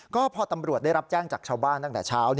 ก็พอตำรวจได้รับแจ้งจากชาวบ้านตั้งแต่เช้า